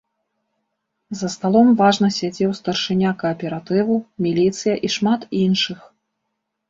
За сталом важна сядзеў старшыня кааператыву, міліцыя і шмат іншых.